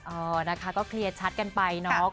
เออนะคะก็เคลียร์ชัดกันไปเนาะ